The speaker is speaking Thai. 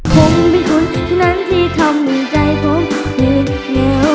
ผมเป็นคนที่นั้นที่ทำให้ใจผมเหนื่อยเหงา